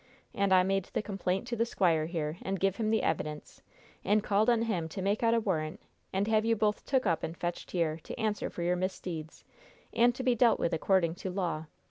And I made the complaint to the squire here, and give him the evidence, and called on him to make out a warrant and have you both took up and fetched here, to answer for your misdeeds, and to be dealt with according to law.